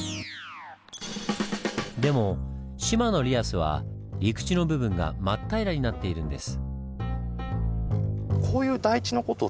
でも志摩のリアスは陸地の部分が真っ平らになっているんです。